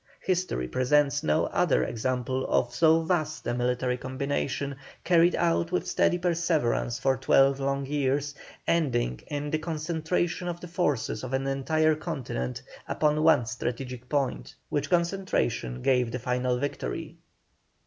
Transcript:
History presents no other example of so vast a military combination, carried out with steady perseverance for twelve long years, ending in the concentration of the forces of an entire continent upon one strategical point, which concentration gave the final victory.